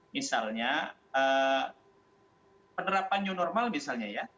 misalnya penerapan new normal misalnya ya